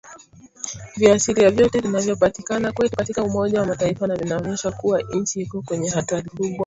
Viashiria vyote vinavyopatikana kwetu katika umoja wa Mataifa na vinaonyesha kuwa nchi iko kwenye hatari kubwa